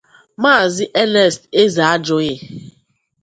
Maazị Ernest Ezeajughi.